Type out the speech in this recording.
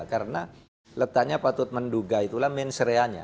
karena letaknya patut menduga itulah mensereanya